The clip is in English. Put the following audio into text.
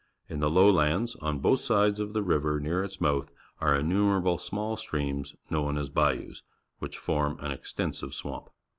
In the lowlands, on both sides of the river near its mouth, are innum erable small streams known as bayous, which form an extensive swamp.